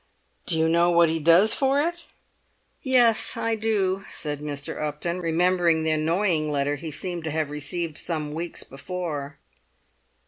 "Do you know what he does for it?" "Yes, I do," said Mr. Upton, remembering the annoying letter he seemed to have received some weeks before.